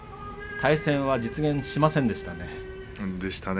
対戦は実現しませんでしたね。